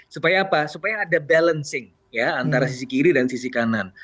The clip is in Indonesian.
supaya apa supaya ada balancing ya antara sisi kiri dan sisi kanan